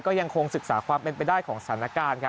ก็ยังคงศึกษาความเป็นไปได้ของสถานการณ์